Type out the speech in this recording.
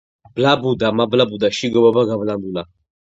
ბლაბუდა, მაბლაბუდა, შიგ ობობა გაბლანდულა